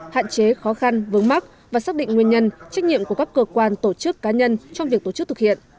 hạn chế khó khăn vướng mắc và xác định nguyên nhân trách nhiệm của các cơ quan tổ chức cá nhân trong việc tổ chức thực hiện